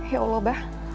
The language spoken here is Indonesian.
ya allah bah